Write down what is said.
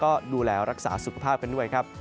ก็ดูแลรักษาสุขภาพกันด้วยครับ